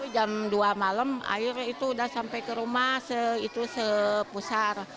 jam dua malam air itu sudah sampai ke rumah sepusar